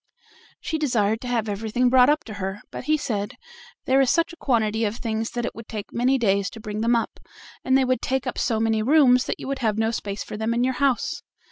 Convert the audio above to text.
She desired to have everything brought up to her, but he said: "There is such a quantity of things that it would take many days to bring them up, and they would take up so many rooms that you would have no space for them in your house."